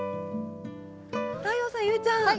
太陽さん裕ちゃん